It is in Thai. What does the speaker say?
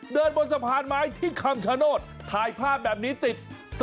เดินบนสะพานไม้ที่คำชโนธถ่ายภาพแบบนี้ติด